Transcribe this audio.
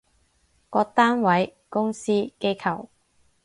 各單位，公司，機構